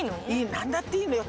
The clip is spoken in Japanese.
なんだっていいのよ。